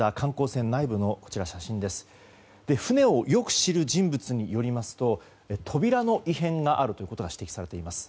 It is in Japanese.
船をよく知る人物によりますと扉の異変があることが指摘されています。